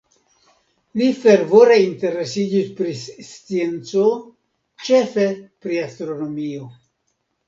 Li fervore interesiĝis pri scienco, ĉefe pri astronomio.